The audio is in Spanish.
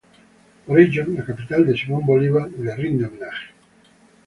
Por ello, la capital de Simón Bolívar le rinde homenaje.